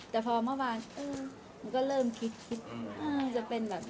แต่พอเมื่อวานมันก็เริ่มคิดจะเป็นแบบ